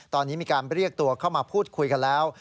ตอนนี้มีการเรียกตัวเข้ามาพูดคุยกันแล้ว